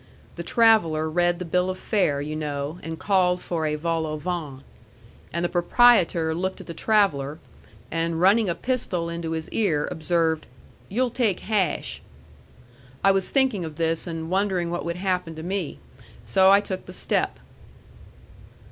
(The traveller read the bill of fare, you know, and called for a vol au vent. And the proprietor looked at the traveller, and running a pistol into his ear, observed, "You'll take hash.") I was thinking of this and wondering what would happen to me. So I took the step.